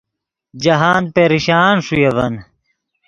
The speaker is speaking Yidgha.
جاہند پریشان ݰوئے اڤن